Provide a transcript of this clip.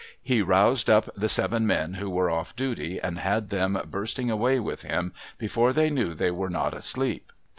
He roused up the seven men who were off duty, and had them bursting away with him, before they knew they were not asleep.